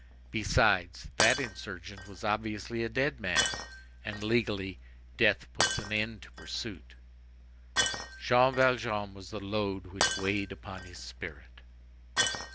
Besides, that insurgent was, obviously, a dead man, and, legally, death puts an end to pursuit. Jean Valjean was the load which weighed upon his spirit.